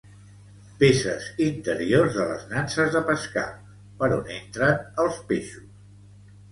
Peces interiors de les nanses de pescar, per on entren els peixos.